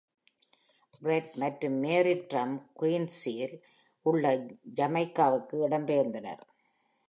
Fred மற்றும் Mary Trump குயின்ஷீல் உள்ள ஜமைக்காவிற்கு இடம் பெயர்ந்தனர்.